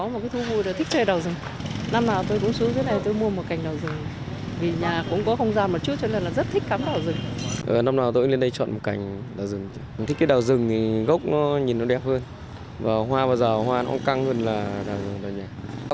vì gốc nhìn đẹp hơn hoa bây giờ nó căng hơn đào rừng đòi nhảy